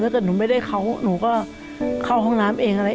ถ้าเกิดหนูไม่ได้เขาหนูก็เข้าห้องน้ำเองอะไร